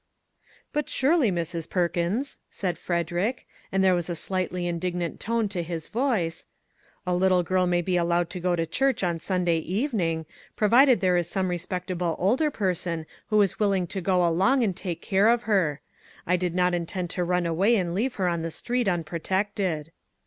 " But, surely, Mrs. Perkins," said Frederick, and there was a slightly indignant tone to his voice, " a little girl may be allowed to go to church on Sunday evening, provided there is some responsible older person who is willing to go along and take care of her. I did not in tend to run away and leave her on the street unprotected."